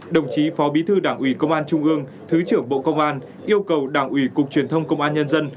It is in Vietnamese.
đồng chí phó bí thư đảng ủy công an trung ương thứ trưởng bộ công an yêu cầu đảng ủy cục truyền thông công an nhân dân